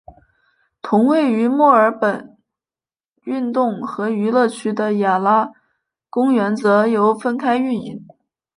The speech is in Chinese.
同位于墨尔本运动和娱乐区的雅拉公园则由分开营运。